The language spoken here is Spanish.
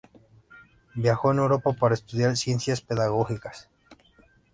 Viajó a Europa para estudiar ciencias pedagógicas.